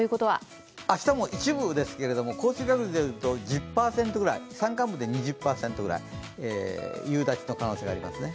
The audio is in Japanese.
明日も一部ですけど降水確率が１０％ぐらい山間部で２０％ぐらい夕立の可能性がありますね。